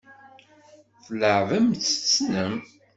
Tleɛɛbem-tt tessnem.